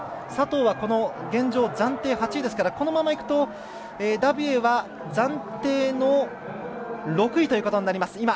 佐藤は現状、暫定８位ですからこのままいくとダビエは暫定の６位ということになります。